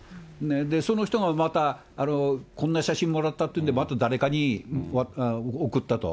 その人がまた、こんな写真もらったっていうんで、また誰かに送ったと。